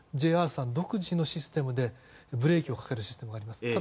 独自のシステムでブレーキをかけるシステムがあります。